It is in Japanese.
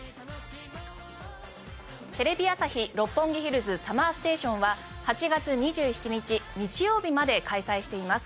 テレビ朝日・六本木ヒルズＳＵＭＭＥＲＳＴＡＴＩＯＮは８月２７日日曜日まで開催しています。